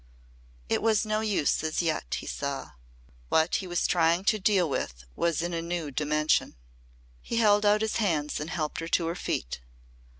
It was no use as yet, he saw. What he was trying to deal with was in a new Dimension. He held out his hands and helped her to her feet.